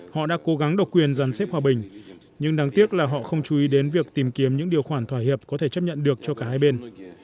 họ đã cố gắng độc quyền giàn xếp hòa bình nhưng đáng tiếc là họ không chú ý đến việc tìm kiếm những điều khoản thỏa hiệp có thể chấp nhận được cho cả hai bên